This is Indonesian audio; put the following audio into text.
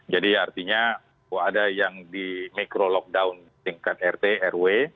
jadi artinya ada yang di micro lockdown tingkat rt rw